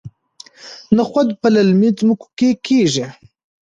نخود په للمي ځمکو کې کیږي.